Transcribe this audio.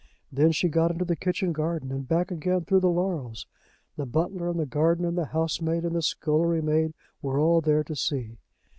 Then she got into the kitchen garden, and back again through the laurels. The butler and the gardener and the housemaid and the scullery maid were all there to see.